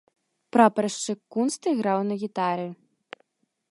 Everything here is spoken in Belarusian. Прапаршчык Кунст іграў на гітары.